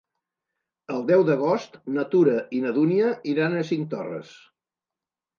El deu d'agost na Tura i na Dúnia iran a Cinctorres.